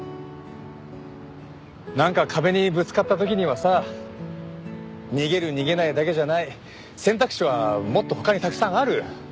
なんか壁にぶつかった時にはさ逃げる逃げないだけじゃない選択肢はもっと他にたくさんある。